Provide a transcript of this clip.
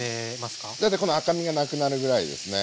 大体この赤みがなくなるぐらいですね。